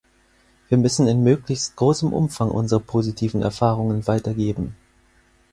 Wir müssen in möglichst großem Umfang unsere positiven Erfahrungen weitergeben.